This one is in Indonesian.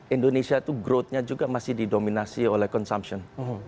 indonesia itu growth nya juga masih didominasi oleh consumption